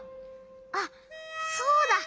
あっそうだ！